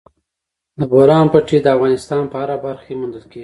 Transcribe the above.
د بولان پټي د افغانستان په هره برخه کې موندل کېږي.